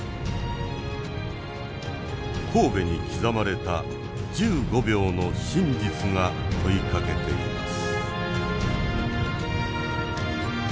神戸に刻まれた１５秒の真実が問いかけています。